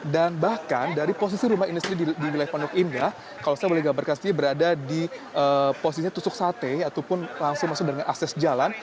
bahkan dari posisi rumah ini sendiri di wilayah pondok indah kalau saya boleh gambarkan sendiri berada di posisinya tusuk sate ataupun langsung masuk dengan akses jalan